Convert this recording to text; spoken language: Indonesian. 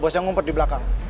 bos yang ngumpet di belakang